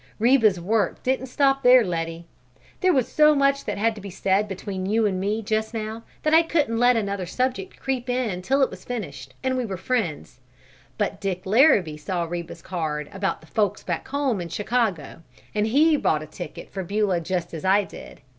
"Reba's work didn't stop there, Letty! There was so much that had to be said between you and me, just now, that I couldn't let another subject creep in till it was finished and we were friends; but Dick Larrabee saw Reba's card about 'the folks back home' in Chicago and he bought a ticket for Beulah just as I did.